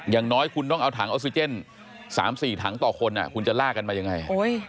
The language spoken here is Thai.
อย่างน้อยคุณต้องเอาถังออกซิเจน๓๔ถังต่อคนคุณจะล่ากันมายังไง